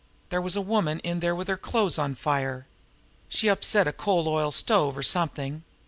There was a woman in there with her clothes on fire. She'd upset a coal oil stove, or something.